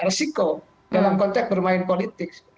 resiko dalam konteks bermain politik